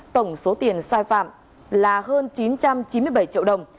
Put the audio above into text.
tổng số tiền sai phạm là hơn chín trăm chín mươi bảy triệu đồng